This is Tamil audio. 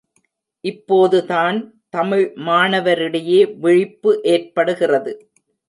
இப்போது தான், தமிழ் மாணவரிடையே விழிப்பு ஏற்படுகிறது.